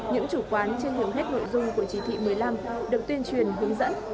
những chủ quán trên hiệu hết nội dung của chỉ thị một mươi năm được tuyên truyền hướng dẫn